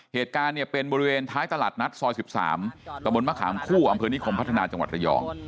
เหตุการณ์เนี่ยเป็นบริเวณท้ายตลาดนัดซอย๑๓ตะบนมะขามคู่อำเภอนิคมพัฒนาจังหวัดระยอง